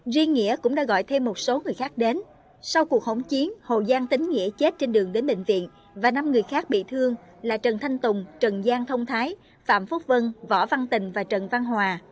riêng nghĩa cũng đã gọi thêm một số người khác đến sau cuộc hỗn chiến hồ giang tính nghĩa chết trên đường đến bệnh viện và năm người khác bị thương là trần thanh tùng trần giang thông thái phạm phúc vân võ văn tình và trần văn hòa